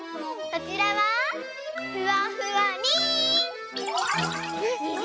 そちらはふわふわりん！